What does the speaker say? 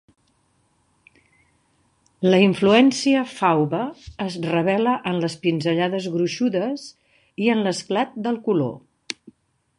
La influència fauve es revela en les pinzellades gruixudes i en l'esclat del color.